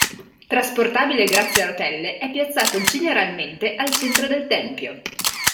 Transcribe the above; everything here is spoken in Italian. Trasportabile grazie a rotelle, è piazzato generalmente al centro del tempio.